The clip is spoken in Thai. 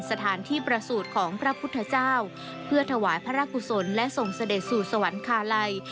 สถานที่ประสูจน์ของพระพุทธเจ้าเพื่อถวายพระราชกุศลและส่งเสด็จสู่สวรรคาลัย